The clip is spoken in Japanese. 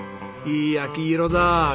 いい焼き色だ。